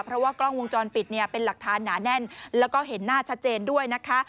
เพราะว่ากล้องวงจรปิดเนี่ยเป็นหลักฐานหนาแน่นแล้วก็เห็นหน้าชัดเจนด้วยนะคะ